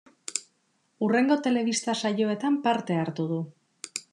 Hurrengo telebista saioetan parte hartu du.